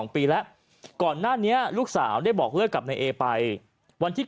ปีแล้วก่อนหน้านี้ลูกสาวได้บอกเลิกกับนายเอไปวันที่๙